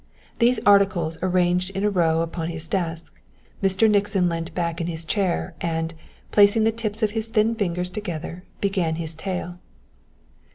These articles arranged in a row upon his desk, Mr. Nixon leant back in his chair, and, placing the tips of his thin fingers together, began his tale.